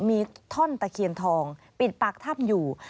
มีท่อนตะเคียนทองปิดปากถ้ำอยู่